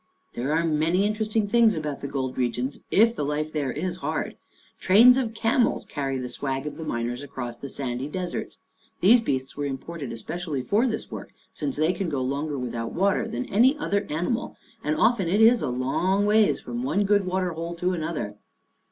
" There are many interesting things about the gold regions if the life there is hard. Trains of camels carry the swag of the miners across the sandy deserts. These beasts were imported especially for this work, since they can go longer without water than any other animals, and often Life at Djerinallum 51 it is a long ways from one good water hole to another.